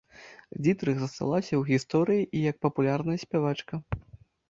Дзітрых засталася ў гісторыі і як папулярная спявачка.